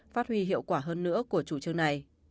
phát huy hiệu quả hơn nữa của chủ trương này